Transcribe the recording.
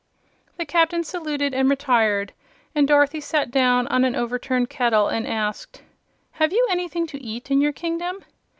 The Captain saluted and retired and Dorothy sat down on an overturned kettle and asked: "Have you anything to eat in your kingdom?"